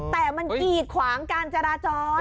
แต่มันกีดขวางการจราจร